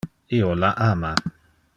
Io la ama.